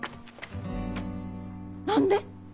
何で？